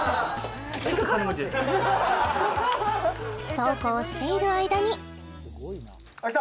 そうこうしている間にあっきた！